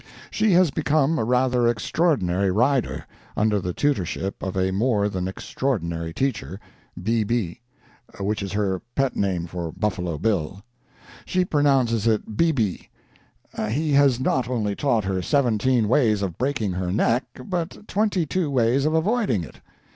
She has become a rather extraordinary rider, under the tutorship of a more than extraordinary teacher—BB, which is her pet name for Buffalo Bill. She pronounces it beeby. He has not only taught her seventeen ways of breaking her neck, but twenty two ways of avoiding it.